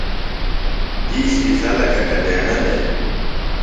دِیشی خلکہ کتیݨہ دےۡ؟